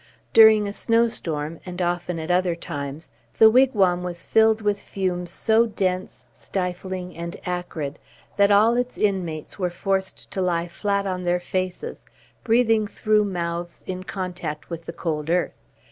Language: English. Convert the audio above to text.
During a snow storm, and often at other times, the wigwam was filled with fumes so dense, stifling, and acrid, that all its inmates were forced to lie flat on their faces, breathing through mouths in contact with the cold earth.